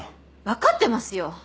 分かってますよ！